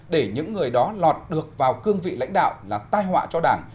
để những người đó lọt được vào cương vị lãnh đạo là tai họa cho đảng